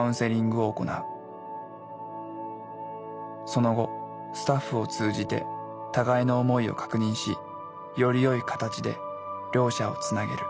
その後スタッフを通じて互いの思いを確認しよりよい形で両者をつなげる。